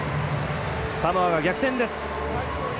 サモアが逆転です。